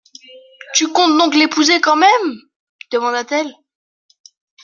Tu comptes donc l'épouser quand même ? demanda-t-elle.